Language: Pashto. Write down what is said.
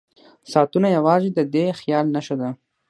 ساعتونه یوازې د دې خیال نښه ده.